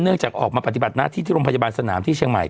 จากออกมาปฏิบัติหน้าที่ที่โรงพยาบาลสนามที่เชียงใหม่